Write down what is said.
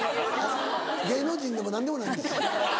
芸能人でも何でもないんです。